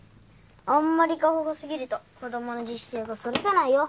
あんまり過保護過ぎると子どもの自主性が育たないよ。